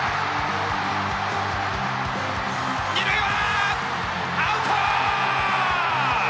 ２塁はアウト！